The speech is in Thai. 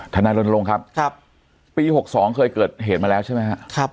นายรณรงค์ครับปี๖๒เคยเกิดเหตุมาแล้วใช่ไหมครับ